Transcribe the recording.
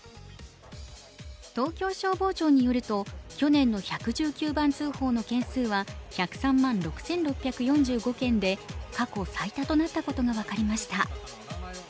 東京消防庁によると去年の１１９番通報の件数は１０３万６６４５件で、過去最多となったことが分かりました。